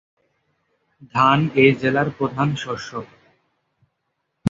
ধান এই জেলার প্রধান শস্য।